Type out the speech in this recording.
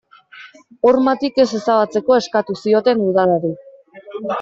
Hormatik ez ezabatzeko eskatu zioten udalari.